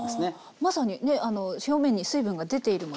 まさにね表面に水分が出ているもの